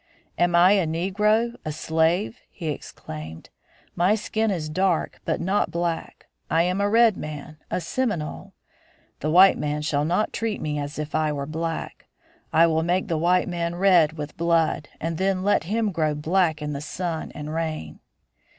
"Am I a negro, a slave?" he exclaimed. "My skin is dark, but not black. I am a red man, a Seminole. The white man shall not treat me as if I were black. I will make the white man red with blood and then let him grow black in the sun and rain."